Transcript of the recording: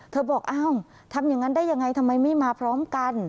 เธอบอกทำอย่างนั้นได้อย่างไรทำไมไม่มาพร้อมกัน